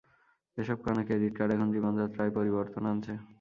এসব কারণে credit card এখন জীবনযাত্রায় পরিবর্তন আনছে।